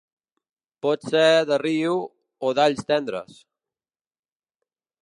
Pot ser de riu o d'alls tendres.